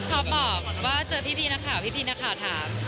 ท็อปบอกว่าเจอพี่นะคะพี่นะคะถาม